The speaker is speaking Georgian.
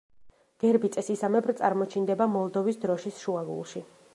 გერბი წესისამებრ წარმოჩინდება მოლდოვის დროშის შუაგულში.